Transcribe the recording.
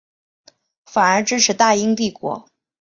反而支持大英帝国。